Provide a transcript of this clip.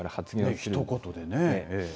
ひと言でね。